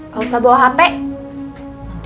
kau jangan bawa handphone